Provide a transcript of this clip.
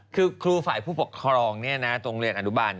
คือครูฝ่ายผู้ปกครองโรงเรียนอนุบาล